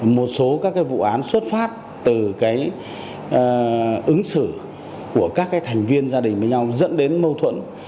một số các vụ án xuất phát từ ứng xử của các thành viên gia đình với nhau dẫn đến mâu thuẫn